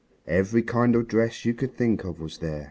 Every kind of dress you can think of was there.